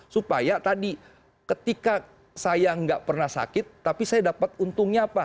supaya tadi ketika saya nggak pernah sakit tapi saya dapat untungnya apa